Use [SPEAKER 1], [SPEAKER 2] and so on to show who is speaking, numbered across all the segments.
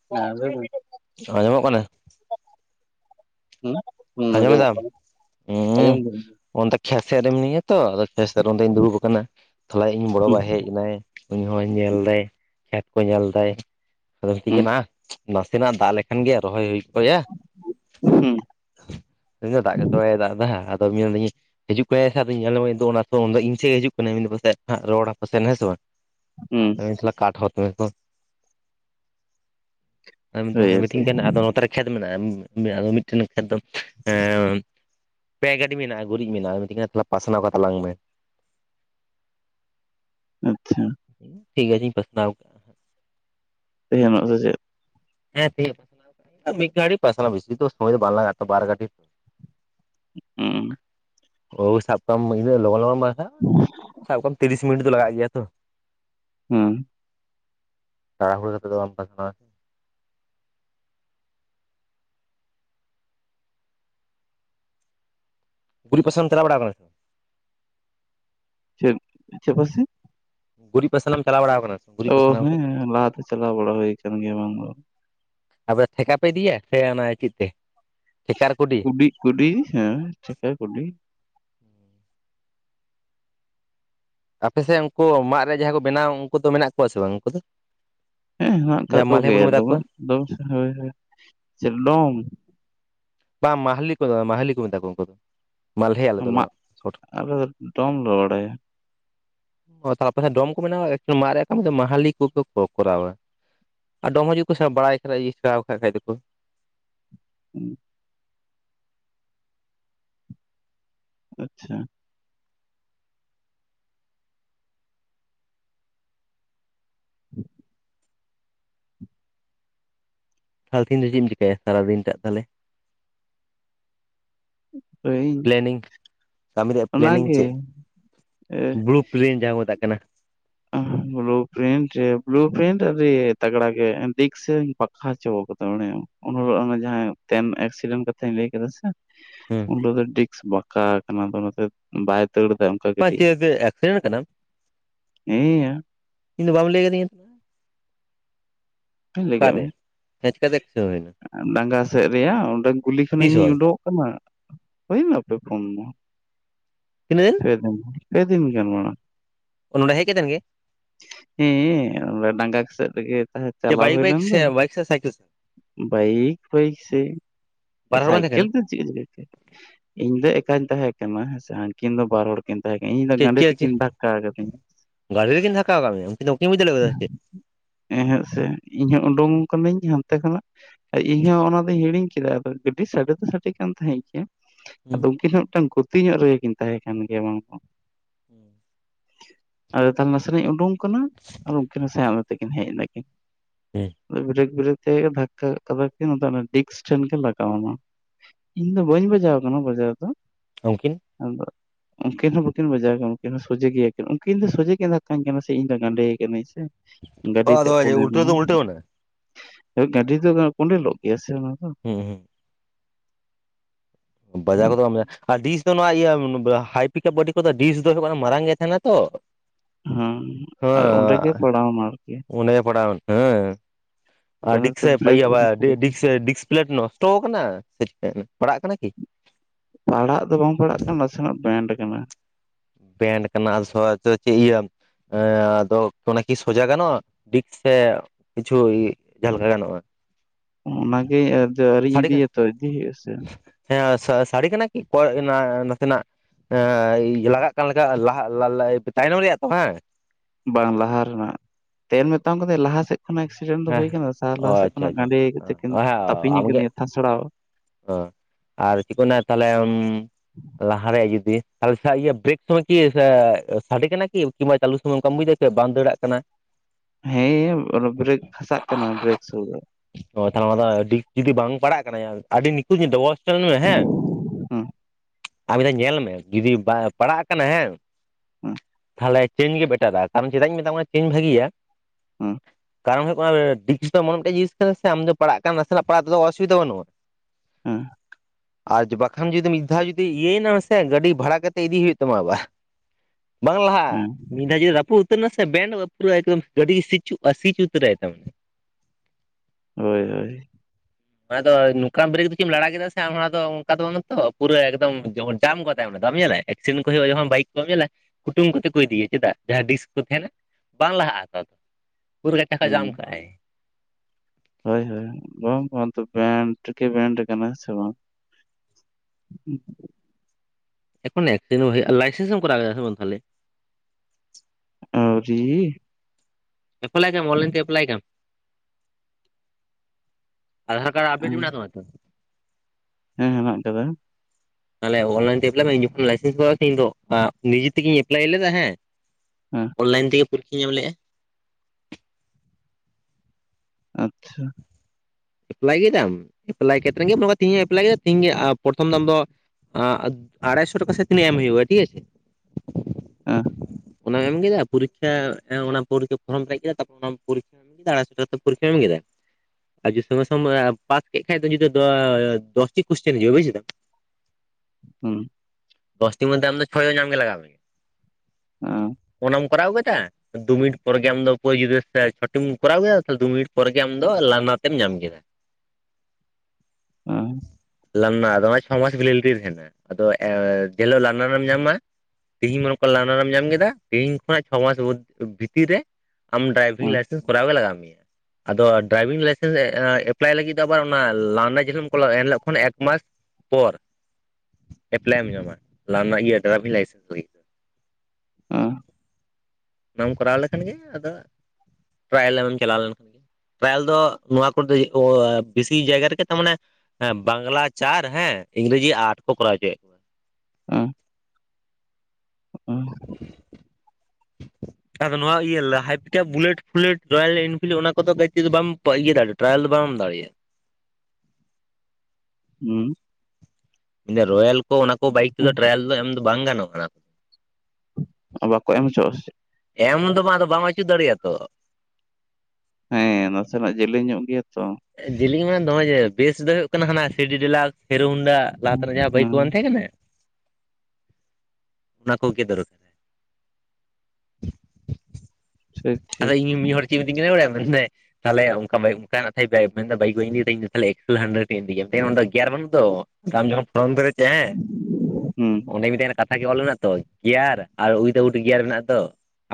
[SPEAKER 1] [unintelligible]
[SPEAKER 2] ᱟᱸᱡᱚᱢᱚᱜ ᱠᱟᱱᱟ?
[SPEAKER 1] ᱦᱳᱸ
[SPEAKER 2] ᱟᱸᱡᱚᱢ
[SPEAKER 1] ᱟᱸᱡᱚᱢᱚᱜ ᱠᱟᱱᱟ ᱟᱸᱡᱚᱢ ᱫᱟᱹᱧ
[SPEAKER 2] ᱚᱱᱫᱚ ᱠᱷᱮᱛᱥᱮᱫ ᱨᱮ ᱢᱤᱹᱧᱟ ᱛᱚ ᱟᱫᱚ ᱠᱷᱮᱛ ᱥᱮᱫᱨᱮᱧ ᱫᱩᱲᱩᱵ ᱟᱠᱟᱱᱟ᱾ ᱛᱷᱟᱞᱟ ᱤᱧ ᱵᱚᱲᱚ ᱵᱟᱭ ᱦᱮᱡ ᱮᱱᱟᱭ ᱩᱱᱤ ᱦᱚᱭ ᱧᱮᱞ ᱫᱟᱭ ᱠᱷᱮᱛ ᱠᱚᱭ ᱧᱮᱞ ᱫᱟᱭ ᱟᱫᱚ ᱢᱮᱛᱟᱹᱧ
[SPEAKER 1] ᱦᱩᱸ
[SPEAKER 2] ᱠᱟᱱᱟ ᱱᱟᱥᱮᱱᱟᱜ ᱫᱟᱜ ᱞᱮᱠᱷᱟᱱ ᱜᱮ ᱨᱚᱦᱚᱭ ᱦᱩᱭ ᱠᱚᱜ-ᱟ ᱭᱟ᱾
[SPEAKER 1] ᱦᱳᱸ
[SPEAKER 2] ᱛᱮᱦᱮᱧ ᱫᱚ ᱫᱟᱜ ᱜᱮᱛᱚᱭ ᱫᱟᱜ ᱮᱫᱟ ᱦᱟᱜ ᱟᱫ [unintelligible] ᱦᱤᱡᱩᱜ ᱯᱮ ᱟᱫᱚ ᱧᱮᱞ ᱢᱟ ᱤᱧᱫᱚ ᱩᱱᱫᱚ ᱤᱧᱷᱮᱱ ᱜᱮ ᱦᱤᱡᱩᱜ ᱠᱟᱱᱟᱹᱧ ᱢᱤᱫᱤᱫ ᱫᱚ ᱯᱟᱥᱮᱡ ᱦᱟᱜ ᱨᱚᱲᱚᱟᱥᱮᱱ ᱦᱮᱸ ᱥᱮ ᱵᱟᱝ?
[SPEAKER 1] ᱦᱩᱸ
[SPEAKER 2] ᱠᱟᱴ ᱦᱚᱫ ᱟᱠᱚ
[SPEAKER 1] ᱦᱳᱭ ᱟᱨᱠᱤ
[SPEAKER 2] ᱢᱤᱛᱤᱧ ᱠᱟᱱᱟᱭ ᱟᱫᱚ ᱱᱚᱛᱮᱨᱮ ᱠᱷᱮᱛ ᱢᱮᱱᱟᱜ-ᱟ ᱢᱤᱫᱴᱮᱱ ᱠᱷᱮᱛ ᱫᱚ ᱮᱸᱻ ᱯᱮ ᱜᱟᱹᱰᱤ ᱢᱮᱱᱟᱜ-ᱟ ᱜᱩᱨᱤᱡ ᱢᱮᱱᱟᱜ-ᱟ᱾ ᱢᱤᱛᱟᱹᱧ ᱠᱟᱱᱟᱭ ᱛᱮᱞᱟ ᱯᱟᱥᱱᱟᱣ ᱠᱟᱛᱟᱞᱟᱝ ᱢᱮ᱾ [inaudible]
[SPEAKER 1] ᱟᱪᱪᱷᱟ
[SPEAKER 2] ᱴᱷᱤᱠᱭᱟ ᱡᱮ ᱯᱟᱥᱱᱟᱣ
[SPEAKER 1] ᱛᱮᱱᱚᱜ ᱥᱮ ᱪᱮᱫ?
[SPEAKER 2] ᱦᱮᱸ ᱛᱤᱦᱤᱧ [unintelligible] ᱢᱤᱫ ᱜᱷᱟᱲᱤ ᱯᱟᱥᱱᱟᱣ ᱵᱮᱥᱤ ᱫᱚ ᱥᱚᱢᱚᱭ ᱫᱚ ᱵᱟᱝ ᱞᱟᱜᱟᱜ-ᱟ ᱛᱚ ᱵᱟᱨ ᱜᱟᱰᱤ
[SPEAKER 1] [unintelligible]
[SPEAKER 2] ᱚ,, ᱥᱟᱵ ᱠᱟᱢ ᱢᱟᱹᱦᱤᱱᱟᱹ ᱞᱚᱜᱚᱱ ᱞᱚᱜᱚᱱ ᱢᱟ ᱥᱟᱵ ᱠᱟᱢ ᱛᱤᱨᱤᱥ ᱢᱟᱺᱴ ᱫᱚ ᱞᱟᱜᱟᱜ ᱜᱮᱭᱟ ᱛᱚ᱾
[SPEAKER 1] ᱦᱳᱸ
[SPEAKER 2] ᱛᱟᱲᱟ ᱦᱩᱲᱟᱹ ᱠᱟᱛᱮ ᱛᱚ ᱵᱟᱢ ᱯᱟᱥᱱᱟᱣ-ᱟ᱾ ᱜᱩᱨᱤᱜ ᱯᱟᱥᱱᱟᱢ ᱪᱟᱞᱟᱣ ᱵᱟᱲᱟᱣ ᱠᱟᱱᱟ?
[SPEAKER 1] ᱪᱮᱫ ᱪᱮᱫ‌‌ ᱯᱟᱥᱮ?
[SPEAKER 2] ᱜᱩᱨᱤᱜ ᱯᱟᱥᱱᱟᱢ ᱪᱟᱞᱟᱣ ᱵᱟᱲᱟᱣ ᱠᱟᱱᱟ? ᱵᱟᱝ? ᱜᱩᱨᱤᱡ
[SPEAKER 1] ᱚ
[SPEAKER 2] ᱯᱟᱥᱱᱟᱣ ᱠᱚ
[SPEAKER 1] ᱦᱮᱸ ᱞᱟᱦᱟᱛᱮ ᱪᱟᱞᱟᱣ ᱵᱟᱲᱟ ᱦᱩᱭ ᱠᱟᱱ ᱜᱮᱭᱟ ᱵᱟᱝ ᱫᱚ᱾
[SPEAKER 2] ᱟᱯᱮ ᱴᱷᱮᱠᱟ ᱯᱮ ᱤᱫᱤᱭᱟ ᱥᱮ ᱚᱱᱟ ᱪᱮᱫ ᱛᱮ? ᱴᱷᱮᱠᱟ ᱟᱨ
[SPEAKER 1] ᱠᱩᱰᱤ ᱠᱩᱰᱤ ᱦᱮᱸ ᱴᱷᱮᱠᱟ ᱠᱩᱰᱤ᱾
[SPEAKER 2] ᱟᱯᱮᱥᱮᱫ ᱩᱱᱠᱩ ᱢᱟᱫ ᱨᱮ ᱡᱟᱦᱟᱸᱭ ᱠᱚ ᱵᱮᱱᱟᱣ ᱩᱱᱠᱩ ᱫᱚ ᱢᱮᱱᱟᱜ ᱠᱚᱣᱟ ᱥᱮ ᱵᱟᱝ ᱩᱱᱠᱩ ᱫᱚ?
[SPEAKER 1] ᱦᱮᱸ ᱦᱮᱱᱟᱜ ᱠᱟᱜ
[SPEAKER 2] ᱡᱟᱦᱟᱸ
[SPEAKER 1] ᱠᱚ
[SPEAKER 2] ᱢᱟᱞᱦᱮ ᱵᱚᱱ
[SPEAKER 1] ᱜᱮᱭᱟ
[SPEAKER 2] ᱢᱮᱛᱟ
[SPEAKER 1] ᱫᱚᱢᱮ
[SPEAKER 2] ᱠᱚᱣᱟ
[SPEAKER 1] ᱫᱚᱢᱮ ᱦᱳᱭ ᱪᱮᱫ ᱰᱚᱢ?
[SPEAKER 2] ᱵᱟᱝ ᱢᱟ ᱦᱟᱞᱤ ᱠᱚ ᱢᱟᱦᱟᱞᱤ ᱠᱚ ᱢᱮᱛᱟ ᱠᱚᱣᱟ ᱩᱱᱠᱩ ᱫᱚ ᱢᱟᱞᱦᱮ ᱟᱞᱮ ᱫᱚ᱾
[SPEAKER 1] ᱢᱟᱜ ᱟᱞᱮ ᱫᱚ ᱫᱚᱢ ᱞᱮ ᱵᱟᱲᱟᱭᱟ᱾
[SPEAKER 2] ᱚ ᱛᱟᱨᱯᱚᱨᱮ ᱰᱚᱢ ᱠᱚ ᱢᱮᱱᱟ ᱮᱠᱫᱚᱢ ᱢᱟᱜ ᱨᱮᱭᱟᱜ ᱠᱟᱹᱢᱤ ᱠᱚ ᱢᱟᱦᱟᱞᱤ ᱠᱚ ᱠᱚ ᱠᱚᱨᱟᱣᱟ᱾ ᱟᱨ ᱰᱚᱢ ᱦᱚᱸ ᱡᱚᱫᱤ ᱠᱚ ᱥᱟᱵ ᱵᱟᱲᱟᱭ ᱤᱭᱟᱹ ᱥᱮᱸᱲᱟ ᱠᱷᱟᱡ ᱫᱚᱠᱚᱼᱼ
[SPEAKER 1] [unintelligible] ᱟᱪᱪᱷᱟ [unintelligible]
[SPEAKER 2] ᱛᱟᱦᱚᱞᱮ ᱛᱤᱦᱤᱧ ᱫᱟ ᱪᱮᱫ ᱮᱢ ᱪᱮᱠᱟᱭᱟ ᱥᱟᱨᱟᱫᱤᱱ ᱴᱟᱜ ᱛᱟᱦᱟᱞᱮ?
[SPEAKER 1] ᱛᱚ ᱤᱧ
[SPEAKER 2] ᱯᱞᱮᱱᱤᱝ ᱠᱟᱹᱢᱤ ᱨᱮᱭᱟᱜ ᱯᱞᱮᱱᱤᱝ
[SPEAKER 1] ᱚᱱᱟᱜᱮ
[SPEAKER 2] ᱪᱮᱫ?
[SPEAKER 1] ᱮ
[SPEAKER 2] ᱵᱞᱩ ᱯᱨᱤᱱ ᱡᱟᱦᱟᱸ ᱠᱚ ᱢᱮᱛᱟᱜ ᱠᱟᱱᱟ᱾ [unintelligible]
[SPEAKER 1] ᱵᱞᱩ ᱯᱨᱤᱱᱴ ᱵᱞᱩ ᱯᱨᱤᱱᱴ ᱟᱹᱰᱤ ᱛᱟᱜᱲᱟ ᱜᱮ ᱰᱤᱠᱥ ᱥᱮᱧ ᱵᱟᱸᱠᱟ ᱦᱚᱪᱟ ᱟᱠᱟᱫᱟ ᱵᱟᱲᱟᱭᱟᱢ? ᱦᱳ ᱚᱱᱮ ᱡᱟᱦᱟᱸ ᱛᱮᱱ ᱮᱠᱥᱤᱰᱮᱱᱴ ᱠᱟᱛᱷᱟᱧ ᱞᱟᱹᱭ ᱠᱮᱫᱟ ᱥᱮ
[SPEAKER 2] ᱦᱳᱸ
[SPEAKER 1] ᱚᱸᱰᱮ ᱫᱚ ᱰᱤᱠᱥ ᱵᱟᱠᱟ ᱠᱟᱱᱟ ᱛᱚ ᱚᱱᱟᱛᱮ ᱵᱟᱭ ᱫᱟᱹᱲ ᱫᱟ᱾
[SPEAKER 2] ᱯᱟᱪᱮ ᱵᱮ ᱮᱠᱥᱤᱰᱮᱱᱴ ᱠᱟᱱᱟᱢ?
[SPEAKER 1] ᱦᱮᱸ ᱭᱟ᱾
[SPEAKER 2] ᱤᱧ ᱫᱚ ᱵᱟᱢ ᱞᱟᱹᱭ ᱠᱟᱹᱫᱤᱧᱟᱹ ᱛᱚ᱾
[SPEAKER 1] ᱞᱟᱹᱭ ᱠᱟᱜ
[SPEAKER 2] ᱚᱠᱟᱨᱮ
[SPEAKER 1] ᱢᱮ
[SPEAKER 2] ᱦᱮᱸ ᱪᱤᱠᱟᱹᱛᱮ ᱮᱠᱥᱤᱰᱮᱱᱴ ᱦᱩᱭᱱᱟ
[SPEAKER 1] ᱰᱟᱝᱜᱟ ᱥᱮᱜ ᱨᱮᱭᱟ ᱚᱸᱰᱮ ᱜᱩᱞᱤ
[SPEAKER 2] ᱛᱤᱥ
[SPEAKER 1] ᱠᱷᱚᱱᱤᱧ
[SPEAKER 2] ᱦᱚᱸ
[SPEAKER 1] ᱩᱰᱩᱝ ᱠᱟᱱᱟ ᱦᱩᱭᱩᱜ-ᱟ ᱯᱮ ᱯᱷᱳᱱ ᱢᱟ
[SPEAKER 2] ᱤᱱᱟᱹ [unintelligible]
[SPEAKER 1] ᱯᱮ ᱫᱤᱱ ᱯᱮ ᱫᱤᱱ ᱜᱟᱱ ᱢᱟᱲᱟᱝ᱾
[SPEAKER 2] ᱱᱚᱰᱮ ᱦᱮᱡ ᱠᱟᱛᱮᱱ ᱜᱮ?
[SPEAKER 1] ᱦᱮᱸ ᱚᱸᱰᱮ ᱰᱟᱸᱜᱟ ᱥᱮᱫ ᱨᱮᱜᱮ ᱛᱟᱦᱮᱸ
[SPEAKER 2] ᱪᱮ
[SPEAKER 1] ᱪᱟᱞᱟᱣ
[SPEAKER 2] ᱵᱟᱭᱤᱠ ᱵᱟᱭᱤᱠ
[SPEAKER 1] ᱦᱩᱭᱞᱮᱱ
[SPEAKER 2] ᱥᱮ
[SPEAKER 1] ᱫᱚ
[SPEAKER 2] ᱵᱟᱭᱤᱠ ᱥᱮ ᱥᱟᱭᱠᱮᱞ ᱥᱟᱶ
[SPEAKER 1] ᱵᱟᱭᱤᱠ ᱦᱳᱭ ᱥᱮ
[SPEAKER 2] ᱵᱟᱨ ᱦᱚᱲ ᱵᱤᱱ ᱛᱟᱦᱮᱸ
[SPEAKER 1] ᱥᱟᱭᱠᱮᱞ
[SPEAKER 2] ᱠᱟᱱᱟ᱾
[SPEAKER 1] ᱫᱚ ᱤᱧ ᱫᱚ ᱮᱠᱟᱧ ᱛᱟᱦᱮᱸ ᱠᱟᱱᱟ ᱦᱮᱸᱥᱮ ᱦᱟᱱᱠᱤᱱ ᱫᱚ ᱵᱟᱨ ᱦᱚᱲ᱾ ᱠᱤᱱ ᱛᱟᱦᱮᱸ ᱠᱟᱱᱟ ᱤᱧ ᱫᱚ
[SPEAKER 2] ᱪᱮᱫ
[SPEAKER 1] ᱜᱟᱸᱰᱮ
[SPEAKER 2] ᱪᱮᱫ
[SPEAKER 1] ᱛᱮᱠᱤᱱ
[SPEAKER 2] ᱪᱮᱫ
[SPEAKER 1] ᱫᱷᱟᱠᱟ ᱠᱟᱹᱫᱤᱧᱟ᱾
[SPEAKER 2] ᱜᱟᱹᱰᱤ ᱨᱮᱠᱤᱱ ᱫᱷᱟᱠᱟᱣ ᱠᱟᱜ ᱢᱮᱭᱟ ᱩᱱᱠᱤᱱ ᱫᱚ ᱵᱟᱹᱠᱤᱱ ᱵᱩᱡᱽ ᱫᱟᱲᱮ ᱠᱟᱫᱟ ᱥᱮ ᱪᱮᱫ
[SPEAKER 1] ᱮᱦᱮ ᱥᱮ ᱤᱧ ᱦᱚᱸ ᱩᱰᱩᱝ ᱠᱟᱹᱱᱟᱹᱧ ᱦᱟᱱᱛᱮ ᱠᱷᱚᱱᱟᱜ ᱤᱧ ᱦᱚᱸ ᱚᱱᱟ ᱫᱚᱧ ᱦᱤᱲᱤᱧ ᱠᱮᱫᱟ ᱟᱫᱚ ᱜᱟᱹᱰᱤ ᱥᱟᱰᱮ ᱫᱚ ᱥᱟᱰᱮ ᱠᱟᱱ ᱛᱟᱦᱮᱸ ᱜᱮᱭᱟ᱾
[SPEAKER 2] ᱦᱩᱸ
[SPEAKER 1] ᱟᱫᱚ ᱩᱱᱠᱤᱱ ᱦᱚᱸ ᱢᱤᱫᱴᱟᱝ ᱜᱚᱛᱤ ᱧᱚᱜ ᱨᱮᱜᱮ ᱠᱤᱱ ᱛᱟᱦᱮᱸ ᱠᱟᱱ ᱜᱮᱭᱟ, ᱵᱟᱝ ᱫᱚ ᱵᱟᱝ᱾
[SPEAKER 2] [inaudible]
[SPEAKER 1] ᱟᱫᱚ ᱛᱟᱦᱚᱞᱮ ᱱᱟᱥᱮᱱᱟᱜ ᱤᱧ ᱩᱰᱩᱠ ᱠᱟᱱᱟ, ᱟᱨ ᱩᱱᱠᱤᱱ ᱦᱚ ᱥᱟᱭ ᱢᱮᱱᱛᱮ ᱠᱤᱱ ᱦᱮᱡ ᱱᱟᱠᱤᱱ᱾
[SPEAKER 2] ᱦᱩᱸ
[SPEAKER 1] ᱵᱨᱮᱠ ᱵᱨᱮᱠ ᱛᱮᱜᱮ ᱫᱷᱟᱠᱟ ᱠᱮᱫ-ᱟ ᱠᱤᱱ ᱚᱱᱟ ᱰᱤᱠᱥ ᱴᱷᱮᱱ ᱜᱮ ᱞᱟᱜᱟᱣᱱᱟ᱾ ᱤᱧ ᱫᱚ ᱵᱟᱹᱧ ᱵᱟᱡᱟᱣ ᱠᱟᱱᱟ ᱵᱟᱡᱟᱣ ᱫᱚ᱾
[SPEAKER 2] ᱩᱱᱠᱤᱱ?
[SPEAKER 1] ᱟᱫᱚ ᱩᱱᱠᱤᱱ ᱦᱚᱸ ᱵᱟᱹᱠᱤᱱ ᱵᱟᱡᱟᱣ ᱠᱟᱱᱟ, ᱩᱱᱠᱤᱱ ᱦᱚᱸ ᱥᱚᱡᱮ ᱜᱮᱭᱟᱠᱤᱱ ᱩᱱᱠᱤᱱ ᱫᱚ ᱥᱚᱡᱷᱮ ᱠᱤᱱ ᱫᱷᱟᱠᱟᱹᱧ ᱠᱟᱱᱟ ᱥᱮ, ᱤᱧ ᱫᱚ ᱜᱟᱸᱰᱮᱭ ᱠᱟᱱᱟᱹᱧ ᱥᱮ ᱜᱟᱹᱰᱤ
[SPEAKER 2] ᱟᱫᱚ
[SPEAKER 1] ᱛᱮᱫ
[SPEAKER 2] ᱩᱞᱴᱟᱹᱣ ᱫᱚ
[SPEAKER 1] ᱠᱚᱸᱰᱮᱞᱱᱟ᱾
[SPEAKER 2] ᱩᱞᱴᱟᱹᱣ ᱮᱱᱟ
[SPEAKER 1] ᱜᱟᱹᱰᱤ ᱫᱚ ᱠᱚᱰᱮ ᱞᱚᱜ ᱜᱮᱭᱟ ᱥᱮ ᱚᱱᱟ ᱫᱚ᱾
[SPEAKER 2] ᱦᱩᱸᱻᱦᱩᱸᱻ᱾ ᱵᱟᱡᱟᱣ ᱠᱚᱫᱚ ᱵᱟᱢ ᱵᱟᱡᱟᱼᱟ ᱟᱨ ᱰᱤᱥ ᱫᱚ ᱱᱚᱣᱟ ᱤᱭᱟᱹ ᱦᱟᱭ ᱯᱤᱠᱟᱯ ᱜᱟᱹᱰᱤ ᱠᱚᱫᱚ ᱰᱤᱥ ᱫᱚ ᱦᱩᱭᱩᱜ ᱠᱟᱱᱟ ᱢᱟᱨᱟᱝ ᱜᱮ ᱛᱟᱦᱮᱱᱟ᱾ ᱛᱚ
[SPEAKER 1] ᱦᱮᱸ ᱟᱨ ᱚᱸᱰᱮ ᱜᱮ ᱯᱟᱲᱟᱣ ᱱᱟ ᱟᱨᱠᱤ᱾
[SPEAKER 2] ᱚᱱᱰᱮᱜᱮ ᱯᱟᱲᱟᱣ ᱱᱟ ᱦᱮᱸ
[SPEAKER 1] ᱟᱫᱚ
[SPEAKER 2] ᱟᱨ
[SPEAKER 1] ᱚᱱᱟᱛᱮ
[SPEAKER 2] ᱰᱤᱠᱥᱮ
[SPEAKER 1] ᱵᱨᱮᱠ
[SPEAKER 2] ᱯᱟᱤᱭᱟᱹ
[SPEAKER 1] ᱵᱨᱮᱠ
[SPEAKER 2] ᱰᱤᱠᱥᱮ ᱰᱤᱠᱥᱯᱮᱞᱮᱴ ᱱᱚᱴ ᱴᱚ ᱠᱟᱱᱟ ᱯᱟᱲᱟᱜ ᱠᱟᱱᱟ ᱠᱤ?
[SPEAKER 1] ᱯᱟᱲᱦᱟᱜ ᱫᱚ ᱵᱟᱝ ᱯᱟᱲᱦᱟᱜ ᱠᱟᱱᱟ ᱱᱟᱥᱮᱱᱟᱜ ᱵᱮᱱᱰ ᱠᱟᱱᱟ᱾
[SPEAKER 2] ᱵᱮᱱᱰ ᱠᱟᱱᱟ ᱟᱨᱠᱤ ᱪᱮᱫ ᱤᱭᱟᱹ ᱮᱸᱻ ᱟᱫᱚ ᱚᱱᱟ ᱠᱤ ᱥᱚᱡᱟ ᱜᱟᱱᱚᱜᱼᱟ, ᱰᱤᱠᱥ ᱥᱮ ᱠᱤᱪᱷᱩ ᱡᱟᱸᱦᱟᱸᱞᱮᱠᱟ ᱜᱟᱱᱚᱜᱼᱟ᱾
[SPEAKER 1] ᱚᱱᱟᱜᱮ ᱟᱫᱚ ᱟᱳᱨᱤᱧ
[SPEAKER 2] ᱥᱟᱹᱨᱤ ᱠᱟᱱᱟ
[SPEAKER 1] ᱤᱫᱤᱭᱟᱛᱚ ᱤᱫᱤ ᱦᱩᱭᱩᱜᱼᱟᱥᱮ
[SPEAKER 2] ᱦᱮᱸ ᱥᱟᱹᱲᱤ ᱠᱟᱱᱟ ᱠᱤ? ᱠᱚ ᱱᱟᱥᱮᱱᱟᱜ ᱮ ᱞᱟᱜᱟᱜ ᱠᱟᱱ ᱞᱮᱠᱟ ᱞᱟ ᱛᱟᱭᱱᱚᱢ ᱨᱮᱭᱟᱜ ᱛᱚ ᱦᱮᱸ?
[SPEAKER 1] ᱵᱟᱝ ᱞᱟᱦᱟ ᱨᱮᱱᱟᱜ ᱛᱮᱱ ᱢᱮᱛᱟᱢ ᱠᱟᱱᱫᱩᱹᱧ ᱞᱟᱦᱟ ᱥᱮᱜ ᱠᱷᱚᱱᱟᱜ ᱮᱠᱥᱤᱰᱮᱱᱴ ᱫᱚ
[SPEAKER 2] ᱦᱮᱸ
[SPEAKER 1] ᱦᱩᱭ ᱠᱟᱱᱟ ᱥᱮ,
[SPEAKER 2] ᱚ
[SPEAKER 1] ᱞᱟᱦᱟᱥᱮᱫ
[SPEAKER 2] ᱟᱪᱪᱷᱟ
[SPEAKER 1] ᱠᱷᱚᱱᱟᱜ
[SPEAKER 2] ᱟᱪᱪᱷᱟ
[SPEAKER 1] ᱜᱟᱸᱰᱤ ᱠᱟᱛᱮ
[SPEAKER 2] ᱦᱮᱸ
[SPEAKER 1] ᱠᱤᱱ ᱛᱟᱹᱯᱤᱧ ᱠᱟᱫᱤᱧᱟ᱾ ᱛᱷᱟᱥᱲᱟᱣ
[SPEAKER 2] ᱚ ᱟᱨ ᱪᱮᱫ ᱠᱚ ᱢᱮᱱᱟ ᱛᱟᱦᱚᱞᱮ ᱞᱟᱦᱟᱨᱮ ᱡᱩᱫᱤ ᱛᱟᱦᱞᱮ ᱤᱭᱟᱹ ᱵᱨᱮᱠ ᱥᱚᱢᱚᱭ ᱠᱤ ᱥᱟᱰᱮ ᱠᱟᱱᱟ ᱠᱤ? ᱠᱤᱝᱵᱟ ᱪᱟᱞᱩ ᱥᱩᱢᱚᱭ ᱚᱱᱠᱟᱢ ᱵᱩᱡ ᱫᱟ ᱠᱤ ᱵᱟᱝ ᱫᱟᱹᱲᱟᱜ ᱠᱟᱱᱟ᱾
[SPEAKER 1] ᱦᱮᱸ ᱵᱨᱮᱠ ᱜᱷᱟᱥᱟᱜ ᱠᱟᱱᱟ ᱵᱨᱮᱠ ᱥᱩᱨ ᱨᱮ᱾
[SPEAKER 2] ᱦᱚᱸ ᱛᱟᱦᱚᱞᱮ ᱚᱱᱟ ᱫᱚ ᱰᱤᱠᱥ ᱡᱩᱫᱤ ᱵᱟᱝ ᱯᱟᱲᱟᱜ ᱠᱟᱱᱟ ᱟᱹᱰᱤ ᱱᱤᱠᱩᱧ ᱫᱚᱦᱚ ᱢᱮ ᱦᱮᱸ
[SPEAKER 1] ᱦᱮᱸ
[SPEAKER 2] ᱟᱨ ᱢᱤᱫ ᱫᱷᱟᱣ ᱧᱮᱞ ᱢᱮ ᱡᱩᱫᱤ ᱯᱟᱲᱟᱜ ᱠᱟᱱᱟ ᱦᱮᱸ
[SPEAKER 1] ᱦᱮᱸᱻ,
[SPEAKER 2] ᱛᱟᱦᱚᱞᱮ ᱪᱮᱧᱡ ᱜᱮ ᱵᱮᱴᱟᱨᱟ᱾ ᱠᱟᱨᱚᱱ ᱪᱮᱫᱟᱜ ᱤᱧ ᱢᱮᱛᱟᱢ ᱠᱟᱱᱟ ᱪᱮᱧᱡ ᱵᱷᱟᱹᱜᱮᱤᱭᱟ
[SPEAKER 1] ᱦᱮᱸᱻ᱾
[SPEAKER 2] ᱠᱟᱨᱚᱱ ᱦᱩᱭᱩᱜ ᱠᱟᱱᱟ ᱰᱤᱠᱥᱫᱚ ᱮᱢᱚᱱ ᱢᱤᱫᱴᱟᱝ ᱡᱤᱱᱤᱥ ᱦᱩᱭᱩᱜ ᱠᱟᱱᱟ᱾ ᱥᱮ ᱟᱢ ᱫᱚ ᱯᱟᱲᱟᱜ ᱠᱟᱱᱟ ᱱᱟᱥᱮᱱᱟᱜ ᱯᱟᱲᱟᱜ ᱛᱮᱫᱚ ᱚᱥᱩᱵᱤᱫᱟ ᱵᱟᱹᱱᱩᱜᱼᱟ᱾
[SPEAKER 1] ᱦᱮᱸᱻ᱾
[SPEAKER 2] ᱟᱡ ᱵᱟᱠᱷᱟᱱ ᱡᱩᱫᱤ ᱢᱤᱫ ᱫᱷᱟᱣ ᱡᱩᱫᱤ ᱤᱭᱟᱹᱭ ᱱᱟ ᱥᱮ ᱜᱟᱹᱰᱤ ᱵᱷᱟᱲᱟ ᱠᱟᱛᱮᱜ ᱤᱫᱤ ᱦᱩᱭᱩᱜ ᱛᱟᱢᱟ ᱟᱵᱟᱨ᱾ ᱵᱟᱝ ᱞᱟᱦᱟᱜ-ᱟ
[SPEAKER 1] ᱦᱮᱸ
[SPEAKER 2] ᱢᱤᱫ ᱫᱷᱟᱣ ᱡᱩᱫᱤ ᱨᱟᱹᱯᱩᱫ ᱩᱛᱟᱹᱨ ᱱᱟ ᱥᱮ ᱵᱮᱱᱰ ᱯᱩᱨᱟᱹᱣ ᱮᱠᱫᱚᱢ ᱜᱟᱰᱤ ᱥᱤᱡᱳ-ᱟ᱾ ᱥᱤᱢ ᱩᱛᱟᱹᱨᱟᱭ ᱮᱠᱫᱚᱢ᱾
[SPEAKER 1] ᱦᱳᱭᱻᱦᱳᱭᱻ᱾
[SPEAKER 2] ᱟ ᱫᱚ ᱱᱩ ᱠᱟᱢᱵᱨᱮᱠ ᱫᱚ ᱠᱤᱢ ᱞᱟᱲᱟ ᱠᱮᱫᱟ ᱥᱮ ᱟᱢ ᱦᱚᱸ ᱟᱫᱚ ᱚᱝᱠᱟ ᱫᱚ ᱵᱟᱝ ᱛᱚ ᱯᱩᱨᱟᱹ ᱮᱠᱫᱚᱢ [unintelligible] ᱡᱟᱢ ᱜᱚᱫᱟᱭ ᱟᱱᱟ [unintelligible] ᱾ ᱮᱠᱥᱤᱰᱮᱱᱴ ᱠᱚ ᱦᱩᱭᱩᱜᱼᱟ, ᱡᱚᱠᱷᱚᱱ ᱵᱟᱭᱤᱠ ᱠᱚᱢ ᱧᱮᱞᱟ ᱠᱩᱴᱩᱝ ᱠᱟᱛᱮ ᱠᱚ ᱤᱫᱤᱭᱟ ᱪᱮᱫᱟᱜ ᱡᱟᱦᱟᱸ ᱰᱤᱥ ᱠᱚ ᱛᱟᱦᱮᱱᱟ᱾ ᱵᱟᱝ ᱞᱟᱦᱟᱜᱼᱟ, ᱛᱚ ᱯᱩᱨᱟᱹ ᱜᱮ ᱪᱟᱠᱟ ᱡᱟᱢ ᱠᱟᱜᱼ ᱟᱭ᱾
[SPEAKER 1] ᱦᱳᱭ ᱦᱳᱭ ᱵᱟᱝ ᱵᱟᱝ ᱵᱮᱱᱰ ᱜᱮ ᱵᱮᱱᱰ ᱠᱟᱱᱟ ᱦᱮᱸ ᱥᱮ ᱵᱟᱝ? [unintelligible]
[SPEAKER 2] ᱮᱠᱷᱚᱱᱮ [unintelligible] ᱦᱩᱭᱩᱜᱼᱟ ᱞᱟᱭᱥᱮᱱᱥ ᱮᱢ ᱠᱚᱨᱟᱣ ᱠᱮᱫᱟ ᱥᱮ ᱵᱟᱝ ᱛᱟᱦᱞᱮ?
[SPEAKER 1] ᱟᱹᱣᱨᱤ
[SPEAKER 2] ᱮᱯᱞᱟᱭ ᱠᱟᱢ ᱚᱱᱞᱟᱭᱤᱱ ᱛᱮ ᱮᱯᱞᱟᱭ ᱠᱟᱢ᱾ ᱟᱫᱷᱟᱨ ᱠᱟᱰ ᱟᱯᱰᱮᱴ ᱢᱮᱱᱟᱜᱼᱟ ᱛᱟᱢᱟ ᱛᱚ?
[SPEAKER 1] ᱦᱮᱸ ᱢᱮᱱᱟᱜ ᱠᱟᱫᱟ ᱾
[SPEAKER 2] ᱛᱟᱦᱞᱮ ᱚᱱᱞᱟᱭᱤᱱ ᱛᱮ ᱮᱯᱞᱟᱭ ᱢᱮ ᱤᱧ ᱡᱚᱠᱷᱚᱱ ᱞᱟᱭᱥᱮᱱᱥ [unintelligible] ᱤᱧ ᱫᱚ ᱟᱸ ᱱᱤᱡᱮ ᱛᱮᱜᱤᱧ ᱮᱯᱞᱟᱭ ᱞᱮᱫᱟ ᱦᱮᱸ᱾
[SPEAKER 1] ᱦᱮᱸ
[SPEAKER 2] ᱚᱱᱞᱟᱭᱤᱱ ᱛᱮᱜᱮ ᱯᱚᱨᱤᱠᱷᱟᱧ ᱮᱢ ᱞᱮᱜᱼᱟ᱾
[SPEAKER 1] ᱟᱪᱪᱷᱟ
[SPEAKER 2] ᱮᱯᱞᱟᱭ ᱠᱮᱫᱟᱢ ᱮᱯᱞᱟᱭ ᱠᱮᱛᱨᱮ ᱜᱮ ᱛᱤᱦᱧ ᱮᱯᱞᱟᱭ ᱠᱮᱫᱟ ᱛᱮᱦᱤᱧ ᱜᱮ ᱟᱨ ᱯᱚᱨᱛᱷᱚᱢ ᱫᱚ ᱟᱢ ᱫᱚ ᱟᱸ ᱟᱲᱟᱭᱥᱚ ᱴᱟᱠᱟ ᱥᱮ ᱛᱤᱱᱟᱹᱜ ᱮᱢ ᱦᱩᱭᱩᱜᱼᱟ ᱴᱷᱤᱠ ᱟᱪᱷᱮ
[SPEAKER 1] ᱟᱸ
[SPEAKER 2] ᱚᱱᱟᱢ ᱮᱢ ᱠᱮᱫᱟ ᱯᱚᱨᱤᱠᱷᱟ ᱚᱱᱟ ᱯᱚᱨᱤᱠ ᱯᱷᱚᱨᱚᱢ ᱯᱮᱨᱮᱡ ᱠᱮᱫᱟ ᱠᱮᱫᱟ ᱛᱟᱯᱚᱨ‌ ᱚᱱᱟᱢ ᱯᱩᱨᱤᱠᱷᱟ ᱪᱮᱫᱟ [unintelligible] ᱮᱢ ᱠᱮᱫᱟ᱾ [unintelligible] ᱯᱟᱥ ᱠᱮᱜ ᱠᱷᱟᱡ ᱫᱚ ᱡᱩᱫᱟᱹ ᱫᱚ ᱫᱚᱥᱴᱤ ᱠᱩᱥᱪᱮᱱ ᱦᱤᱡᱩᱜᱼᱟ ᱵᱩᱡᱫᱟᱢ᱾
[SPEAKER 1] ᱦᱩᱸ
[SPEAKER 2] ᱫᱚᱥᱴᱤ ᱢᱚᱫᱷᱮ ᱟᱢᱫᱚ ᱪᱷᱚᱭ [unintelligible] ᱧᱟᱢ ᱜᱮ ᱞᱟᱜᱟᱣ ᱢᱮᱭᱟ
[SPEAKER 1] ᱦᱮᱸ
[SPEAKER 2] ᱚᱱᱟᱢ ᱠᱚᱨᱟᱣ ᱠᱮᱫᱟ ᱫᱩ ᱢᱤᱱᱴ ᱯᱚᱨᱮᱜᱮ ᱟᱢ ᱫᱚ ᱚᱠᱚᱭ ᱜᱤᱫᱽᱨᱟᱹ ᱥᱟᱛᱮ ᱪᱷᱚᱴᱤᱢ ᱠᱚᱨᱟᱣ ᱠᱮᱫᱟ ᱛᱚ ᱫᱩ ᱢᱤᱱᱤᱴ ᱯᱚᱨᱮ ᱜᱮ ᱟᱢ ᱫᱚ ᱞᱟᱱᱟ ᱛᱮᱢ ᱧᱟᱢ ᱮᱫᱟ
[SPEAKER 1] ᱩᱸ
[SPEAKER 2] ᱞᱟᱱᱱᱟ ᱟᱫᱚ ᱪᱷᱚ ᱢᱟᱥ ᱵᱷᱮᱞᱤᱞᱤᱴᱤ ᱛᱟᱦᱮᱱᱟ ᱟᱫᱚ ᱮ ᱡᱮ ᱦᱤᱞᱳᱜ ᱞᱟᱱᱱᱟᱨ ᱨᱮᱢ ᱧᱟᱢᱟ ᱛᱤᱦᱤᱧ ᱢᱟ ᱚᱝᱠᱟ ᱞᱟᱨᱱᱟᱨ ᱮᱢ ᱧᱟᱢ ᱠᱮᱫᱟ ᱛᱤᱦᱤᱧ ᱠᱷᱚᱱᱟᱜ ᱪᱷᱚ ᱢᱟᱥ ᱢᱩᱫ ᱵᱷᱤᱛᱤᱨ ᱨᱮ ᱟᱢ ᱰᱨᱟᱭᱵᱷᱤᱝ
[SPEAKER 1] ᱦᱮᱸ
[SPEAKER 2] ᱞᱟᱭᱥᱮᱱᱥ ᱠᱚᱨᱟᱣ ᱜᱮ ᱞᱟᱜᱟᱣ ᱢᱮᱭᱟ, ᱟᱫᱚ ᱰᱨᱟᱭᱵᱷᱤᱝ ᱞᱟᱭᱥᱮᱱᱥ ᱮ ᱮᱯᱞᱟᱭ ᱞᱟᱹᱜᱤᱜ ᱫᱚ ᱟᱵᱟᱨ ᱚᱱᱟ ᱞᱟᱨᱱᱟᱨ ᱡᱚᱠᱷᱚᱢ ᱠᱩᱞᱟ ᱮᱱᱦᱤᱞᱳᱜ ᱠᱷᱚᱱ ᱮᱠᱢᱟᱥ ᱯᱚᱨ ᱮᱯᱞᱟᱭᱮᱢ ᱧᱟᱢᱟ ᱞᱟᱱᱟ ᱤᱭᱟᱹ ᱰᱨᱟᱭᱵᱷᱤᱝ ᱞᱟᱭᱥᱮᱱᱥ ᱞᱟᱹᱜᱤᱜ᱾
[SPEAKER 1] ᱚᱸ
[SPEAKER 2] ᱚᱱᱟᱢ ᱠᱚᱨᱟᱣ ᱞᱮᱠᱷᱟᱱ ᱜᱮ ᱟᱫᱚ ᱴᱨᱟᱭᱮᱞ ᱮᱢᱮᱢ ᱪᱟᱞᱟᱣ ᱞᱮᱱᱠᱷᱟᱱ ᱜᱮ᱾ ᱴᱨᱟᱭᱟᱞ ᱫᱚ ᱱᱚᱣᱟ ᱠᱚᱨᱮ ᱚ ᱵᱮᱥᱤ ᱡᱟᱭᱜᱟ ᱨᱮᱜᱮ ᱛᱚ ᱢᱟᱱᱮ ᱦᱮᱸ ᱵᱟᱝᱞᱟ ᱪᱟᱨ ᱦᱮᱸ ᱤᱝᱨᱮᱡᱤ ᱟᱴ ᱠᱚ ᱠᱚᱨᱟᱣ ᱚᱪᱚᱭᱮᱜ
[SPEAKER 1] ᱚ
[SPEAKER 2] [inaudible] ᱟᱫᱚ ᱱᱚᱣᱟ ᱤᱭᱟᱹ ᱦᱟᱭ ᱯᱤᱠᱟᱯ ᱵᱩᱞᱮᱴ ᱯᱷᱩᱞᱮᱴ ᱨᱚᱭᱮᱞ ᱮᱱᱯᱷᱤᱞᱤ ᱚᱱᱟ ᱠᱚᱫᱚ ᱠᱟᱭᱮᱠᱴᱤ ᱫᱚ ᱵᱟᱢ ᱤᱭᱟᱹ ᱫᱟᱲᱮᱭᱟᱜᱼᱟ ᱴᱨᱟᱭᱟᱞ ᱫᱚ ᱵᱟᱢ ᱫᱟᱲᱮᱭᱟᱜᱼᱟ᱾
[SPEAKER 1] ᱩᱸ
[SPEAKER 2] ᱤᱧᱫᱚ ᱨᱚᱭᱮᱞ ᱠᱚ ᱚᱱᱟ ᱠᱚ ᱵᱟᱭᱤᱠ ᱛᱮᱫᱚ
[SPEAKER 1] ᱦᱮᱸ
[SPEAKER 2] ᱴᱨᱟᱭᱮᱞ ᱫᱚ ᱮᱢ ᱫᱚ ᱵᱟᱝ ᱜᱟᱱᱚᱜᱼᱟ᱾
[SPEAKER 1] ᱵᱟᱠᱚ ᱮᱢ ᱦᱚᱪᱚᱜᱼᱟ ᱥᱮ ᱪᱮᱜ?
[SPEAKER 2] ᱮᱢ ᱫᱚ ᱢᱟ ᱟᱫᱚ ᱵᱟᱢ ᱟᱹᱪᱩ ᱫᱟᱲᱮᱜᱼᱟ ᱛᱚ᱾
[SPEAKER 1] ᱦᱮᱸ ᱱᱟᱥᱮᱱᱟᱜ ᱡᱮᱞᱮᱧ ᱧᱚᱜ ᱜᱮᱭᱟ ᱛᱚ᱾
[SPEAKER 2] ᱡᱮᱞᱮᱧ ᱢᱟᱱᱮ ᱫᱚᱢᱮ ᱜᱮ ᱵᱮᱥ ᱫᱚ ᱦᱩᱭᱩᱜ ᱠᱟᱱᱟ ᱦᱟᱱᱟ ᱥᱤᱰᱤ ᱰᱮᱞᱟᱠᱥ ᱦᱮᱨᱚᱦᱩᱱ ᱰᱟ ᱞᱟᱦᱟ
[SPEAKER 1] ᱦᱩᱸ
[SPEAKER 2] ᱛᱮᱱᱟᱜ ᱡᱟᱦᱟᱸ ᱵᱟᱹᱭᱤᱠ
[SPEAKER 1] ᱦᱩᱸ
[SPEAKER 2] ᱠᱚ ᱵᱟᱝ ᱛᱟᱦᱮᱸ ᱠᱟᱱᱟ᱾ ᱚᱱᱟ ᱠᱚᱜᱮ ᱫᱚᱨᱠᱟᱨᱟᱭ᱾
[SPEAKER 1] ᱴᱷᱤᱠ
[SPEAKER 2] ᱟᱫᱚ
[SPEAKER 1] ᱴᱷᱤᱠ
[SPEAKER 2] ᱤᱧ ᱢᱤᱜ ᱦᱚᱲ ᱪᱮᱜ ᱢᱤᱛᱤᱧ ᱠᱟᱱᱟ ᱵᱟᱲᱟᱭᱟᱢ ᱢᱮᱱᱫᱟᱭ ᱛᱟᱦᱚᱞᱮ ᱚᱱᱠᱟ ᱵᱟᱭᱤᱠ ᱚᱱᱠᱟ [unintelligible] ᱢᱮᱱᱫᱟᱭ ᱵᱟᱭᱤᱠ ᱵᱟᱹᱧ ᱤᱫᱤᱭ ᱫᱟ᱾ ᱤᱧ ᱫᱚ ᱮᱠᱥᱮᱞ ᱦᱟᱱᱰᱨᱮᱰ ᱤᱧ ᱤᱫᱤᱭᱟ ᱢᱮᱛᱟᱭ ᱠᱟᱹᱱᱟᱹᱧ ᱚᱱᱟ ᱫᱚ ᱜᱮᱭᱟᱨ ᱵᱟᱱᱩᱜ ᱫᱚ ᱟᱢ ᱡᱚᱠᱷᱚᱱ ᱫᱷᱚᱨᱚᱢ ᱮᱢ ᱯᱮ ᱪᱟ ᱦᱮᱸ
[SPEAKER 1] ᱦᱩᱸ
[SPEAKER 2] ᱚᱸᱰᱮ ᱢᱤᱛᱟᱭ ᱠᱟᱱᱟ ᱠᱟᱛ ᱚᱱᱟ ᱜᱮ ᱚᱞ ᱢᱮᱱᱟᱜ ᱛᱚ ᱜᱤᱭᱟᱨ ᱟᱨ ᱩᱭᱤᱛᱷ ᱫᱟᱣᱩᱴ ᱜᱮᱤᱭᱟᱨ ᱢᱮᱱᱟᱜ-ᱟ ᱛᱚ᱾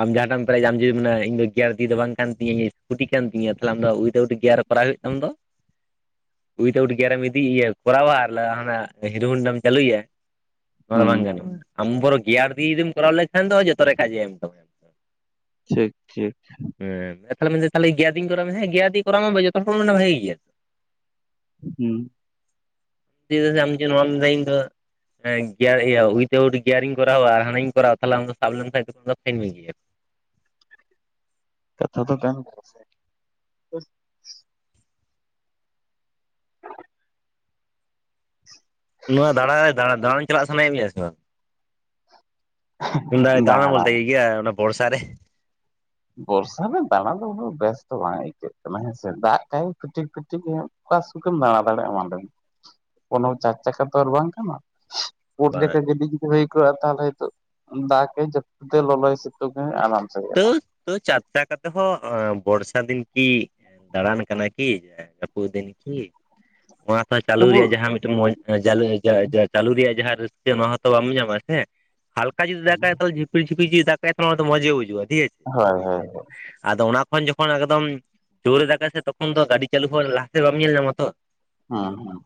[SPEAKER 2] ᱟᱢ ᱡᱟᱦᱟᱸᱴᱟᱢ ᱯᱮᱨᱮᱡᱟ ᱟᱢ ᱡᱩᱫᱤ ᱢᱮᱱᱟ ᱤᱧ ᱫᱚ ᱜᱮᱭᱟᱨ ᱫᱤ ᱫᱚ ᱵᱟᱝ ᱠᱟᱱ ᱛᱤᱧᱟᱹ ᱥᱠᱩᱴᱤ ᱠᱟᱱ ᱛᱤᱧᱟ ᱛᱟᱦᱞᱮ ᱟᱢ ᱫᱚ ᱩᱭᱤᱛᱷ ᱟᱣᱩᱴ ᱜᱮᱭᱟᱨ ᱠᱚᱨᱟᱣ ᱜᱮ ᱦᱩᱭᱩᱜ ᱛᱟᱢ ᱫᱚ᱾ ᱩᱭᱤᱛᱷ ᱟᱣᱩᱴ ᱜᱮᱭᱟᱨᱮᱢ ᱤᱫᱤ ᱤᱭᱟᱹ ᱠᱚᱨᱟᱣᱟ ᱟᱨ ᱦᱟᱱᱟ ᱦᱤᱨᱳ ᱦᱩᱱᱰᱟᱢ ᱪᱟᱹᱞᱩᱭᱟ᱾ ᱱᱚᱣᱟ ᱫᱚ
[SPEAKER 1] ᱦᱩᱸ
[SPEAKER 2] ᱵᱟᱝ ᱜᱟᱱᱚᱜᱼᱟ᱾ ᱟᱢ ᱵᱚᱨᱚ ᱜᱮᱭᱟᱨ ᱫᱤᱭᱮ ᱡᱩᱫᱤᱢ ᱠᱚᱨᱟᱣ ᱞᱮᱠᱷᱟᱱ ᱫᱚ ᱡᱚᱛᱚ ᱨᱮ ᱠᱟᱡᱮ ᱮᱢ ᱛᱟᱢᱟ᱾
[SPEAKER 1] ᱴᱷᱤᱠ ᱴᱷᱤᱠ᱾
[SPEAKER 2] ᱦᱮᱸ ᱛᱟᱦᱚᱞᱮ ᱢᱮᱱᱫᱤᱧ ᱛᱟᱦᱚᱞᱮ ᱜᱮᱭᱟᱨ ᱫᱤᱭᱮᱧ ᱠᱚᱨᱟᱣ ᱢᱮ ᱡᱚᱛᱚ ᱦᱚᱲ ᱠᱚ ᱢᱮᱱᱟ ᱵᱷᱟᱹᱜᱮ ᱜᱮᱭᱟ᱾
[SPEAKER 1] ᱦᱩᱸ᱾
[SPEAKER 2] [unintelligible] ᱦᱮᱸ ᱜᱮᱭᱟᱨ ᱤᱭᱟᱹ ᱩᱭᱤᱛᱟᱣᱩᱴ ᱜᱮᱤᱭᱟᱨ ᱤᱧ ᱠᱚᱨᱟᱣᱟ ᱟᱨ ᱦᱟᱱᱟ ᱤᱧ ᱠᱚᱨᱟᱣᱟ ᱛᱟᱦᱞᱮ ᱟᱢ ᱫᱚ ᱥᱟᱵ ᱞᱮᱱᱠᱷᱟᱱ ᱫᱚᱠᱚ ᱯᱷᱟᱭᱤᱱ ᱢᱮ ᱜᱮᱭᱟ᱾
[SPEAKER 1] ᱠᱟᱛᱷᱟ ᱫᱚ [unintelligible] ᱜᱮᱭᱟᱥᱮ᱾ [inaudible]
[SPEAKER 2] ᱱᱚᱣᱟ ᱫᱟᱬᱟ ᱫᱟᱬᱟᱱ ᱪᱟᱞᱟᱜ ᱥᱟᱱᱟᱭᱮᱫ ᱢᱮᱭᱟ ᱥᱮ ᱵᱟᱝ? [unintelligible] ᱫᱟᱬᱟᱱ
[SPEAKER 1] ᱫᱟᱬᱟ
[SPEAKER 2] ᱵᱚᱞᱛᱮ ᱤᱭᱟᱹ ᱚᱱᱟ ᱵᱚᱨᱥᱟ ᱨᱮ᱾
[SPEAKER 1] ᱵᱚᱨᱥᱟ ᱨᱮ ᱫᱟᱬᱟ ᱫᱚ ᱩᱱᱟᱹᱜ ᱵᱮᱥ ᱫᱚ ᱵᱟᱝ ᱟᱹᱭᱠᱟᱹᱜ ᱠᱟᱱᱟ ᱦᱮᱸᱥᱮ ᱫᱟᱜ ᱟᱠᱟᱭ ᱯᱤᱴᱤᱠ ᱯᱤᱴᱤᱠ ᱧᱚᱜ ᱚᱠᱟ ᱥᱩᱠᱷᱮᱢ ᱫᱟᱬᱟ ᱫᱟᱲᱮᱭᱟᱜᱼᱟ [unintelligible] ᱚᱱᱟ ᱪᱟᱨ ᱪᱟᱠᱷᱟ ᱛᱚ ᱟᱨ ᱵᱟᱝ ᱠᱟᱱᱟ᱾ [unintelligible]
[SPEAKER 2] ᱵᱟᱝ
[SPEAKER 1] ᱠᱚᱜᱼᱟ ᱛᱟᱦᱚᱞᱮ ᱫᱟᱜᱽ ᱠᱮᱭᱟᱭ ᱡᱟᱹᱯᱩᱫᱟᱭ ᱞᱚᱞᱚ ᱟᱭ ᱥᱮᱛᱩᱝ ᱟᱭ ᱟᱨᱟᱢ ᱥᱮᱼᱼ
[SPEAKER 2] ᱛᱟᱹᱣ ᱛᱟᱹᱣ ᱪᱟᱨᱪᱟᱠᱟ ᱛᱮᱦᱚᱸ ᱵᱚᱨᱥᱟ ᱫᱤᱱ ᱠᱤᱼᱼ ᱫᱟᱬᱟᱱ ᱠᱟᱱᱟ ᱠᱤ ᱡᱟᱹᱯᱩᱫ ᱫᱤᱱ ᱠᱤ ᱚᱱᱟᱼᱼ ᱪᱟᱹᱞᱩ
[SPEAKER 1] ᱛᱚᱵᱩ
[SPEAKER 2] ᱨᱮᱭᱟᱜ ᱡᱟᱦᱟᱸ ᱢᱤᱫᱴᱟᱹᱝ [unintelligible] ᱪᱟᱹᱞᱩ ᱨᱮᱭᱟᱜ ᱡᱟᱦᱟᱸ ᱨᱟᱹᱥᱠᱟᱹ ᱚᱱᱟ ᱦᱚᱸᱛᱚ ᱵᱟᱢ ᱧᱟᱢᱟ ᱥᱮ᱾ ᱦᱟᱞᱠᱟ ᱡᱩᱫᱤ ᱫᱟᱜᱟᱭ ᱛᱟᱦᱚᱞᱮ ᱡᱷᱤᱯᱤᱨ ᱡᱷᱤᱯᱤ ᱫᱟᱜᱼᱟᱭ ᱛᱟᱦᱚᱞᱮ ᱚᱱᱟ ᱫᱚ ᱢᱚᱡᱽ ᱜᱮ ᱵᱩᱡᱟᱹᱜᱼᱟ ᱴᱷᱤᱠ ᱟᱪᱷᱮ᱾
[SPEAKER 1] ᱦᱳᱭ ᱦᱳᱭ ᱦᱳᱭ᱾
[SPEAKER 2] ᱟᱫᱚ ᱚᱱᱟ ᱠᱷᱚᱱ ᱡᱚᱠᱷᱚᱱ ᱮᱠᱫᱚᱢ ᱡᱩᱨᱮ ᱫᱟᱜᱟ ᱥᱮ ᱛᱚᱠᱷᱚᱱ ᱫᱚ ᱜᱟᱹᱰᱤ ᱪᱟᱹᱞᱩ ᱦᱚᱸ ᱞᱟᱦᱟ ᱥᱮᱫ ᱵᱟᱢ ᱧᱮᱞ ᱧᱟᱢ ᱟᱛᱚ᱾
[SPEAKER 1] ᱦᱩᱸ ᱦᱩᱸ᱾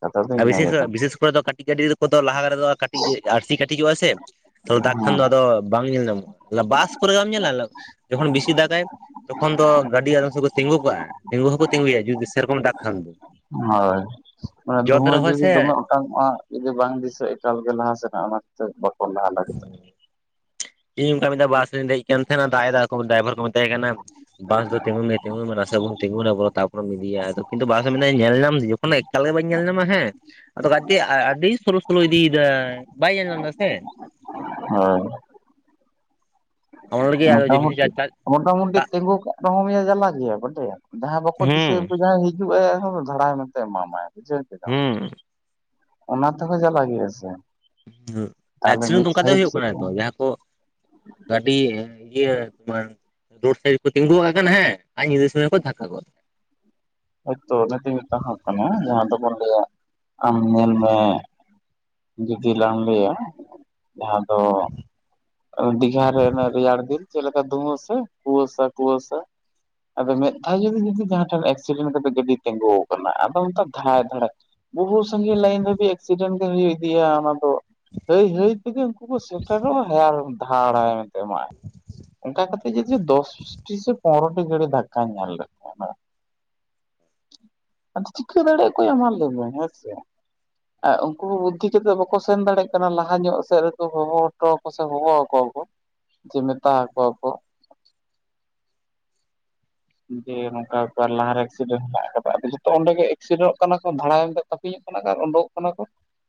[SPEAKER 1] ᱠᱟᱛᱷᱟ ᱫᱚ ᱤᱱᱟᱹ ᱜᱮ
[SPEAKER 2] [unintelligible]
[SPEAKER 1] ᱠᱟᱱᱟ
[SPEAKER 2] ᱵᱤᱥᱮᱥ ᱠᱚᱨᱮ ᱫᱚ ᱠᱟᱹᱴᱤᱡᱽ ᱜᱟᱹᱰᱤ ᱫᱚᱼᱼ ᱠᱚᱫᱚ ᱞᱟᱦᱟ ᱠᱚᱨᱮ ᱫᱚ ᱠᱟᱹᱴᱤᱡ ᱟᱹᱨᱥᱤ ᱠᱟᱹᱴᱤᱡᱚᱜᱼᱟ ᱥᱮ ᱛᱟᱦᱚᱞᱮ ᱫᱟᱜ ᱠᱷᱟᱱ ᱫᱚ
[SPEAKER 1] ᱦᱩᱸ
[SPEAKER 2] ᱟᱫᱚᱼᱼ ᱵᱟᱝ ᱧᱮᱞ ᱧᱟᱢᱚᱜᱼᱟ᱾ ᱵᱟᱥ ᱠᱚᱨᱮ ᱵᱟᱢ ᱧᱮᱞᱟ ᱡᱚᱠᱷᱚᱱ ᱵᱮᱥᱤ ᱫᱟᱜᱟᱭᱼᱼ ᱛᱚᱠᱷᱚᱱ ᱫᱚ ᱜᱟᱹᱰᱤ ᱟᱫᱚᱢ ᱥᱚᱢᱚᱭ ᱫᱚ ᱛᱤᱸᱜᱩ ᱠᱟᱜᱼᱟ᱾ ᱛᱤᱸᱜᱩ ᱫᱚ ᱠᱚ ᱛᱤᱸᱜᱩᱭᱟ ᱡᱩᱫᱤ ᱥᱮᱨᱚᱠᱚᱢ ᱫᱟᱜ ᱠᱷᱟᱱ ᱫᱚ᱾
[SPEAKER 1] ᱦᱳᱭ᱾ ᱟᱨ
[SPEAKER 2] ᱡᱚᱛ
[SPEAKER 1] ᱫᱚᱢᱮ
[SPEAKER 2] ᱨᱮᱦᱚᱸ
[SPEAKER 1] ᱡᱩᱫᱤ [unintelligible]
[SPEAKER 2] ᱥᱮ
[SPEAKER 1] [unintelligible] ᱡᱩᱫᱤ ᱵᱟᱝ ᱫᱤᱥᱟᱹᱜ ᱮᱠᱟᱞᱜᱮ ᱞᱟᱦᱟ ᱥᱮᱱᱟᱜ ᱚᱱᱟ ᱠᱷᱟᱹᱛᱤᱨ [unintelligible]
[SPEAKER 2] ᱤᱧ ᱚᱱᱠᱟ ᱢᱤᱫ ᱫᱷᱟᱣ ᱵᱟᱥ ᱨᱮᱧ ᱫᱮᱡ ᱠᱟᱱ ᱛᱟᱦᱮᱸᱱᱟ᱾ ᱫᱟᱜ ᱮᱫᱟ ᱠᱚ ᱰᱟᱭᱵᱷᱟᱨ ᱠᱚ ᱢᱮᱛᱟᱭ ᱠᱟᱱᱟ ᱵᱟᱥ ᱫᱚ ᱛᱤᱸᱜᱩᱭ ᱢᱮ ᱛᱤᱸᱜᱩᱭ ᱢᱮ ᱱᱟᱥᱮ ᱱᱟᱜ ᱵᱚᱱ ᱛᱤᱸᱜᱩᱱ ᱟᱵᱚᱱ᱾ ᱛᱟᱯᱚᱨᱮᱢ ᱤᱫᱤᱭᱟ᱾ ᱟᱫᱚ ᱠᱤᱱᱛᱩ ᱵᱟᱥ ᱮ ᱢᱮᱱᱫᱟᱭ ᱧᱮᱞᱧᱟᱢ ᱫᱤᱧ ᱚᱱᱮ ᱮᱠᱟᱞ ᱜᱮ ᱵᱟᱹᱧ ᱧᱮᱞ ᱧᱟᱢᱟ ᱦᱮᱸ ᱟᱫᱚ [unintelligible] ᱟᱹᱰᱤ ᱥᱚᱞᱳ ᱥᱚᱞᱳ ᱤᱫᱤᱭᱮᱫᱟᱭ ᱵᱟᱭ ᱧᱮᱞᱧᱟᱢ ᱮᱫᱟ ᱥᱮ᱾
[SPEAKER 1] ᱦᱳᱭ᱾
[SPEAKER 2] ᱚᱱᱟ ᱞᱟᱹᱜᱤᱫ ᱟᱨᱦᱚᱸ ᱡᱮ
[SPEAKER 1] ᱢᱚᱴᱟᱢᱩᱴᱤ
[SPEAKER 2] ᱠᱤᱪᱷᱩ [unintelligible]
[SPEAKER 1] ᱢᱚᱴᱟᱢᱩᱴᱤ ᱛᱤᱸᱜᱩ ᱠᱟᱜ ᱨᱮᱦᱚᱢ [unintelligible] ᱡᱟᱞᱟ ᱜᱮᱭᱟ ᱵᱟᱰᱟᱭᱟᱢ ᱡᱟᱦᱟᱸ ᱵᱟᱠᱚ
[SPEAKER 2] ᱦᱩᱸ
[SPEAKER 1] ᱫᱤᱥᱟᱹᱭᱟᱠᱚ ᱡᱟᱦᱟᱸ ᱜᱮᱼᱼ ᱦᱤᱡᱩᱜ ᱟᱭ ᱟᱨᱦᱚᱸ ᱫᱷᱟᱲᱟᱭ ᱢᱮᱱᱛᱮ ᱮᱢᱟᱢᱟᱭ ᱵᱩᱡᱷᱟᱹᱣ ᱠᱮᱫᱟᱢ᱾
[SPEAKER 2] ᱦᱩᱸ
[SPEAKER 1] ᱚᱱᱟ ᱛᱮ ᱦᱚᱸ ᱡᱟᱞᱟ ᱜᱮᱭᱟ ᱥᱮ ᱾
[SPEAKER 2] ᱦᱩᱸ ᱮᱠᱥᱤᱰᱮᱱᱴ ᱚᱱᱠᱟ ᱛᱮᱜᱮ ᱦᱩᱭᱩᱜ ᱠᱟᱱᱟ ᱛᱚ ᱡᱟᱦᱟᱸ ᱠᱚ ᱜᱟᱹᱰᱤ ᱤᱭᱟᱹ ᱛᱳᱢᱟᱨ ᱨᱳᱰ ᱥᱟᱭᱤᱰ ᱨᱮ ᱠᱚ ᱛᱤᱸᱜᱩ ᱟᱠᱟᱱ ᱦᱮᱸ ᱟᱨ ᱧᱤᱫᱟᱹ ᱥᱚᱢᱚᱭ ᱠᱚ ᱫᱷᱟᱠᱠᱟ ᱜᱚᱫᱼᱼ
[SPEAKER 1] ᱦᱳᱭᱛᱳ ᱚᱱᱟ ᱛᱮᱧ ᱢᱮᱛᱟ ᱦᱟᱢ ᱠᱟᱱᱟ ᱡᱟᱦᱟᱸ ᱫᱚᱵᱚᱱ ᱞᱟᱹᱭᱟ ᱟᱢ ᱧᱮᱞ ᱢᱮ ᱡᱩᱫᱤ ᱞᱟᱝ ᱞᱟᱹᱭᱟ ᱡᱟᱦᱟᱸ ᱫᱚ ᱫᱤᱜᱷᱟ ᱨᱮ ᱚᱱᱟ ᱨᱮᱭᱟᱲ ᱫᱤᱱ ᱪᱮᱫ ᱞᱮᱠᱟ ᱫᱚᱢᱮ ᱥᱮ ᱠᱩᱣᱟᱹᱥᱟ ᱠᱩᱣᱟᱹᱥᱟ ᱟᱫᱚ ᱢᱤᱫ ᱫᱷᱟᱣ ᱡᱩᱫᱤ ᱡᱟᱦᱟᱸ ᱴᱷᱮᱱ ᱮᱠᱥᱤᱰᱮᱱᱴ ᱠᱟᱛᱮ ᱜᱟᱹᱰᱤ ᱛᱤᱸᱜᱩ ᱟᱠᱟᱱᱟ ᱟᱫᱚ ᱚᱱᱠᱟ ᱫᱷᱟᱭ ᱫᱷᱟᱲᱮ ᱵᱚᱦᱩ ᱥᱟᱺᱜᱤᱧ ᱞᱟᱹᱭᱤᱱ ᱦᱟᱹᱵᱤᱡᱽ ᱮᱠᱥᱤᱰᱮᱱᱴ ᱜᱮ ᱦᱩᱭ ᱤᱫᱤᱜᱼᱟ ᱚᱱᱟᱫᱚ ᱦᱟᱹᱭ ᱦᱟᱹᱭ ᱛᱮᱜᱮ ᱩᱱᱠᱩ ᱠᱚ ᱥᱮᱴᱮᱨᱚᱜᱼᱟ᱾ [unintelligible] ᱫᱷᱟᱲᱟᱭ ᱢᱮᱱᱛᱮ ᱮᱢᱟᱜᱼᱟᱭ ᱚᱱᱠᱟ ᱠᱟᱛᱮᱜ ᱡᱩᱫᱤ ᱡᱚ ᱫᱚᱥᱴᱤ ᱥᱮ ᱯᱚᱱᱨᱚᱴᱤ ᱜᱟᱹᱲᱤ ᱫᱷᱟᱠᱠᱟᱧ ᱧᱮᱞ ᱠᱮᱫ ᱠᱚᱣᱟ ᱦᱮᱸ
[SPEAKER 2] [inaudible]
[SPEAKER 1] ᱟᱫᱚ ᱪᱤᱠᱟᱹ ᱫᱟᱲᱮᱭᱟ ᱠᱚ ᱢᱟ ᱞᱟᱹᱭᱢᱮ ᱦᱮᱸ ᱥᱮ ᱟᱨ ᱩᱱᱠᱩ ᱦᱚᱸ ᱵᱩᱫᱽᱫᱷᱤ ᱠᱟᱛᱮᱫ ᱵᱟᱠᱚ ᱥᱮᱱ ᱫᱟᱲᱮᱭᱟᱜ ᱠᱟᱱᱟ ᱞᱟᱦᱟ ᱧᱚᱜ ᱥᱮᱫ ᱨᱮᱠᱚ ᱦᱚᱦᱚ ᱦᱚᱴᱚ ᱥᱮ ᱦᱚᱦᱚ ᱟᱠᱟ ᱥᱮ ᱢᱮᱛᱟ ᱟᱠᱚ ᱠᱚ ᱡᱮ ᱱᱚᱝᱠᱟ ᱞᱟᱦᱟᱨᱮ ᱮᱠᱥᱤᱰᱮᱱᱴ ᱦᱮᱱᱟᱜ ᱟᱠᱟᱫᱟ ᱟᱫᱚ ᱡᱚᱛᱚ ᱚᱸᱰᱮ ᱜᱮ ᱮᱠᱥᱤᱰᱮᱱᱴᱚᱜ ᱠᱟᱱᱟ ᱠᱚ ᱫᱷᱟᱲᱟᱭ ᱛᱟᱹᱯᱤᱧᱚᱜ ᱠᱟᱱᱟ ᱠᱚ ᱟᱨ ᱩᱰᱚᱠᱚᱜ ᱠᱟᱱᱟ ᱠᱚ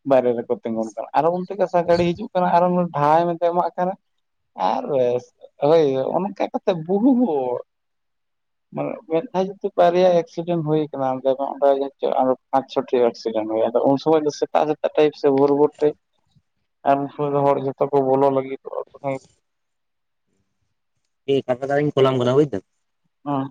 [SPEAKER 1] ᱵᱟᱭᱨᱮ ᱨᱮ ᱛᱤᱸᱜᱩᱱ ᱠᱟᱱᱟ ᱟᱨᱚ ᱜᱚᱢᱛᱮ ᱠᱟᱟᱥᱟ ᱜᱟᱹᱲᱰᱤ ᱦᱤᱡᱩᱜ ᱠᱟᱱᱟ ᱟᱨᱚ ᱰᱷᱟᱭ ᱢᱮᱱᱛᱮ ᱮᱢᱟᱜ ᱠᱟᱱᱟ᱾ ᱟᱨ ᱦᱳᱭ ᱚᱱᱠᱟ ᱠᱟᱛᱮ ᱵᱚᱦᱩ ᱢᱟᱱᱮ ᱢᱤᱫ ᱫᱷᱟᱣ ᱡᱮᱦᱮᱛᱩ ᱵᱟᱨᱭᱟ ᱮᱠᱥᱤᱰᱮᱱᱴ ᱦᱩᱭ [unintelligible] ᱪᱷᱚᱴ ᱩᱱ ᱥᱚᱢᱚᱭ ᱛᱟ ᱴᱟᱭᱯ ᱥᱮ ᱵᱷᱳᱨ ᱵᱷᱳᱨ ᱴᱟᱭ ᱟᱢ ᱥᱩᱨ ᱦᱚᱲ ᱡᱚᱛᱚ ᱠᱚ ᱵᱚᱞᱚ ᱞᱟᱜᱤᱫ
[SPEAKER 2] ᱮᱭ [unintelligible] ᱠᱳᱞᱟᱢ ᱠᱟᱱᱟ [unintelligible]
[SPEAKER 1] ᱦᱚᱸ᱾